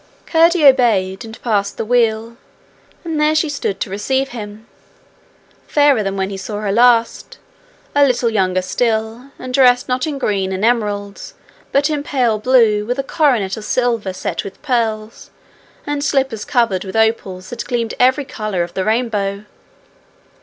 Curdie obeyed, and passed the wheel, and there she stood to receive him! fairer than when he saw her last, a little younger still, and dressed not in green and emeralds, but in pale blue, with a coronet of silver set with pearls, and slippers covered with opals that gleamed every colour of the rainbow.